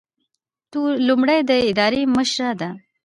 لومړی د ادارې مشري ده.